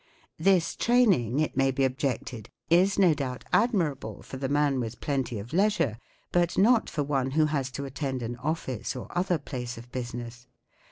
This training, it may be objected, is no doubt admirable for the man with plenty of leisure, but not for one who has to attend an office or other place of business.